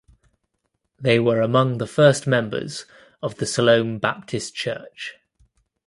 They were among the first members of the Siloam Baptist Church.